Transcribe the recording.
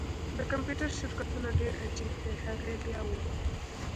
د کمپیوټر شرکتونه ډیر عجیب دي هغې بیا وویل